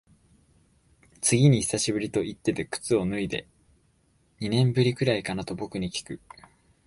次に久しぶりと言ってて靴を脱いで、二年ぶりくらいかなと僕にきく。